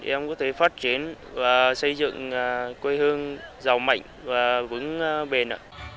em có thể phát triển và xây dựng quê hương giàu mạnh và vững bền ạ